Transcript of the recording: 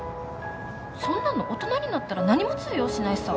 そんなの大人になったら何も通用しないさ。